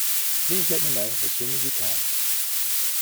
Please let me know as soon as you can